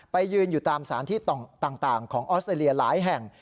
ยืนอยู่ตามสารที่ต่างของออสเตรเลียหลายแห่ง